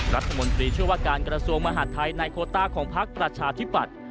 รัฐมนตรีช่วยว่าการกระทรวงมหาดไทยในโคต้าของพักประชาธิปัตย์